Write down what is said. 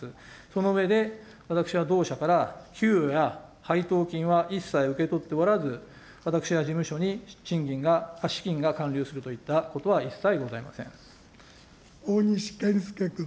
その上で、私は同社から給与や配当金は一切受け取っておらず、私や事務所に賃金が、資金が還流するといったことは一切ございま大西健介君。